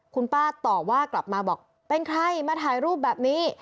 คุณป้าตอบว่ากลับมาบอกเป็นใครมาถ่ายรูปแบบนี้